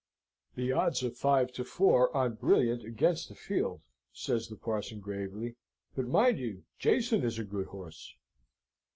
"The odds are five to four on Brilliant against the field," says the parson, gravely, "but, mind you, Jason is a good horse."